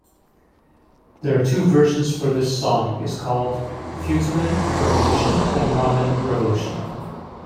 There are two version for this song is called Futomen Revolution and Ramen Revolution.